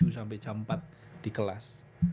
tujuh sampai jam empat di kelas